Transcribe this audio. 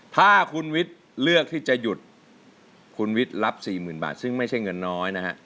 ถ้าคุณวิทย์เลือกที่จะหยุดคุณวิทย์รับ๔๐๐๐บาทซึ่งไม่ใช่เงินน้อยนะฮะ